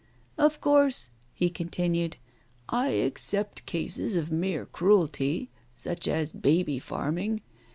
... Of course," he continued, "I except cases of mere cruelty, such as baby farming.